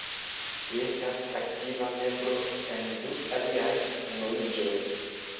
Li estas aktiva membro en du aliaj unuiĝoj.